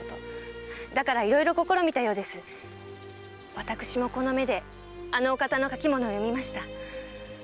私もこの目であのお方の書き物を読みました。